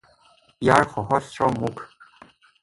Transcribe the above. ইয়াৰ সহস্ৰ মুখ।